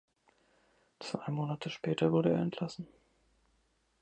Zwei Monate später wurde er entlassen.